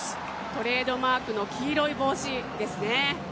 トレードマークの黄色い帽子ですね。